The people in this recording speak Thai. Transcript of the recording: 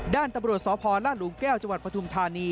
ด้านตบรวจสพและหลุงแก้วจพธุมธานี